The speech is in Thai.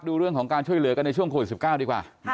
ดูเรื่องของการช่วยเหลือกันในช่วงโควิด๑๙ดีกว่า